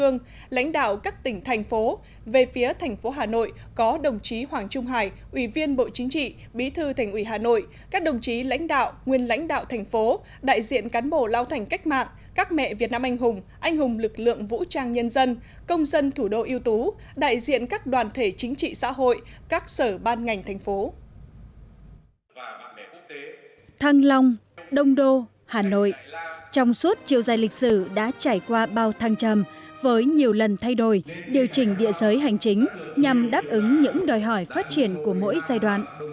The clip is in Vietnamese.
nguyễn hoàng trung hải ubnd bộ chính trị bí thư thành ủy hà nội các đồng chí lãnh đạo nguyên lãnh đạo thành phố đại diện cán bộ lao thành cách mạng các mẹ việt nam anh hùng anh hùng lực lượng vũ trang nhân dân công dân thủ đô yếu tố đại diện các đoàn thể chính trị xã hội các sở ban ngành thành phố